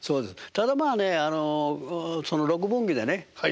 ただまあね六分儀でね